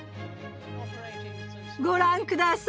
ご覧ください！